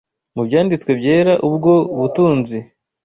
Mu Byanditswe byera ubwo butunzi